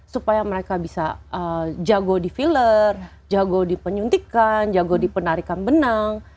supaya mereka bisa jago di filler jago di penyuntikan jago di penarikan benang